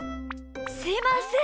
すいません。